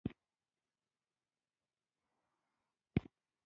مځکه د طوفانونو لاره ده.